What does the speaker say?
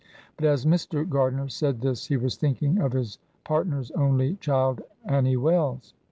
But as Mr. Gardiner said this he was thinking of his partner's only child Annie Wells.